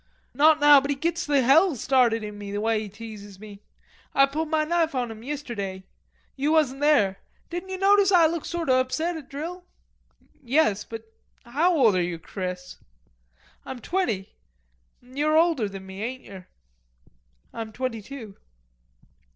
"Not now, but he gits the hell started in me, the way he teases me. Ah pulled ma knife on him yisterday. You wasn't there. Didn't ye notice Ah looked sort o' upsot at drill?" "Yes... but how old are you, Chris!" "Ah'm twenty. You're older than me, ain't yer?" "I'm twenty two."